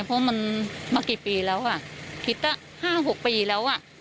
เพราะมันมากี่ปีแล้วอ่ะคิดตั้ง๕๖ปีแล้วอ่ะ